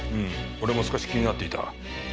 俺も少し気になっていた。